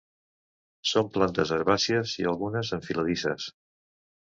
Són plantes herbàcies i algunes enfiladisses.